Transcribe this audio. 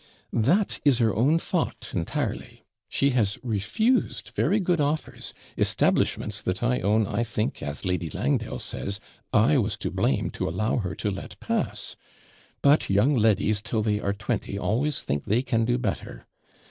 'That is her own fau't, entirely; she has refused very good offers establishments that, I own, I think, as Lady Langdale says, I was to blame to allow her to let pass; but young LEDIES till they are twenty, always think they can do better.